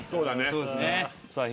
そうですねさあ